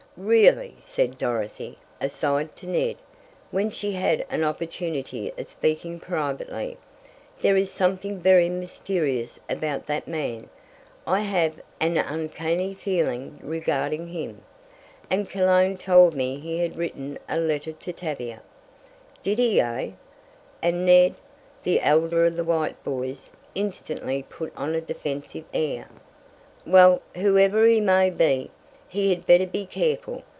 "Really," said Dorothy, aside to Ned, when she had an opportunity of speaking privately, "there is something very mysterious about that man. I have an uncanny feeling regarding him, and Cologne told me he had written a letter to Tavia." "Did, eh?" and Ned, the elder of the White boys, instantly put on a defensive air. "Well, whoever he may be, he had better be careful.